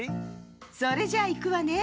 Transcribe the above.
それじゃいくわね。